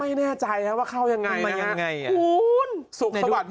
ไม่แน่ใจนะว่าเข้ายังไงนะครับ